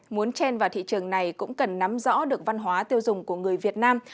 muốn chen vào thị trường này cũng cần nắm rõ được văn hóa tiêu dùng của người việt nam